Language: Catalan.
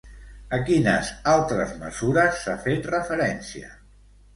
A quines altres mesures s'ha fet referència?